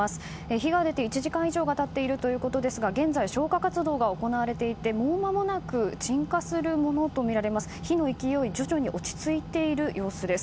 火が出て１時間以上が経っているということですが現在、消火活動が行われていてもうまもなく鎮火するものとみられます。